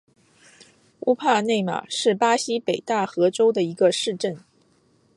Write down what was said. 乌帕内马是巴西北大河州的一个市镇。